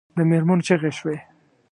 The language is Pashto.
د مېرمنو چیغې شوې.